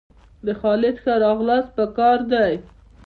د خالد ښه راغلاست په کار دئ!